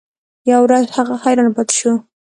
یوه ورځ هغه حیران پاتې شو.